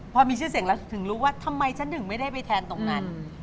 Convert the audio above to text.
พอมีชื่อเสียงแล้วถึงรู้ว่าทำไมฉันถึงไม่ได้ไปแทนตรงนั้น